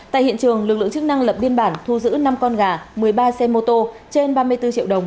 tại hiện trường lực lượng chức năng lập biên bản thu giữ năm con gà một mươi ba xe mô tô trên ba mươi bốn triệu đồng